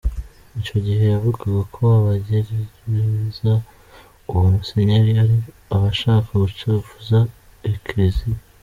Ico gihe yavuga ko abagiriza uwo musenyeri ari abashaka gucafuza Ekleziya.